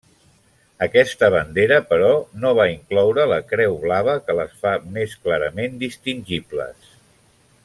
Aquesta bandera però no va incloure la creu blava que les fa més clarament distingibles.